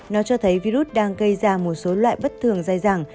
nó cho thấy virus đang gây ra một số loại bất thường dài dẳng